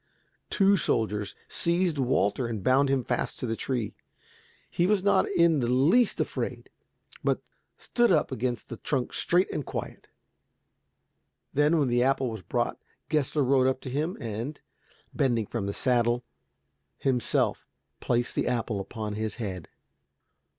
Two soldiers seized Walter and bound him fast to the tree. He was not in the least afraid, but stood up against the trunk straight and quiet. Then, when the apple was brought, Gessler rode up to him and, bending from the saddle, himself placed the apple upon his head.